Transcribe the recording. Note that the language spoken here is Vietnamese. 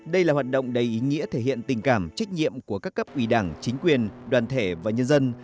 đây là hoạt động đầy ý nghĩa thể hiện tình cảm trách nhiệm của các cấp ủy đảng chính quyền đoàn thể và nhân dân